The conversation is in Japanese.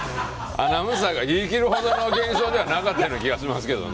アナウンサーが言い切るほどの現象ではなかったような気がするんですけどね。